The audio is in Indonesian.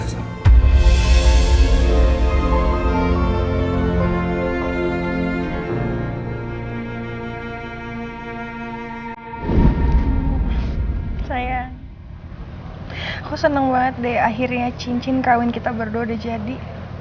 saya aku seneng banget deh akhirnya cincin kawin kita berdua udah jadi